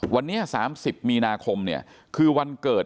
วันนี้๓๐มีนาคมเนี่ยคือวันเกิด